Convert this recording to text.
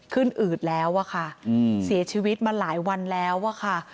อืดแล้วอะค่ะเสียชีวิตมาหลายวันแล้วอะค่ะ